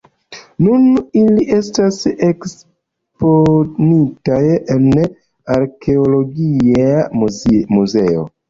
Nun ili etas eksponitaj en Arkeologia Muzeo.